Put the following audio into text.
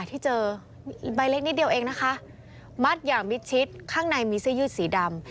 ที่เจอใบเล็กนิดเดียวเองนะคะมัดอย่างมิดชิดข้างในมีเสื้อยืดสีดำ